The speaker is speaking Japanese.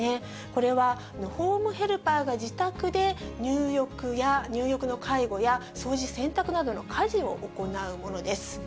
これはホームヘルパーが自宅で入浴や、入浴の介護や、掃除、洗濯などの家事を行うものです。